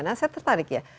nah saya tertarik ya